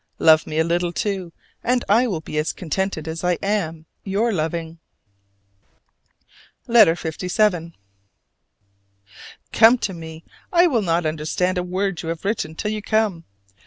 Love me a little, too, and I will be as contented as I am your loving. LETTER LVII. Come to me! I will not understand a word you have written till you come.